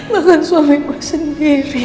bahkan suami gue sendiri